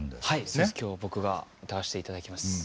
今日僕が歌わせていただきます。